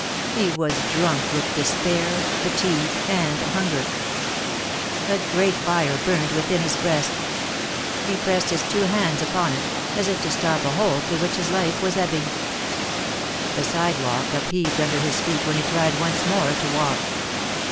He was drunk with despair, fatigue and hunger. A great fire burned within his breast. He pressed his two hands upon it, as if to stop a hole through which his life was ebbing. Tlie side walk upheaved under his feet when he tried once more to walk.